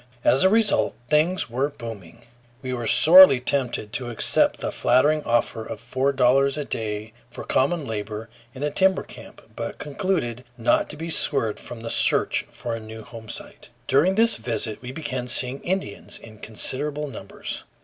As a result things were booming. We were sorely tempted to accept the flattering offer of four dollars a day for common labor in a timber camp, but concluded not to be swerved from the search for a new homesite. During this visit we began seeing Indians in considerable numbers.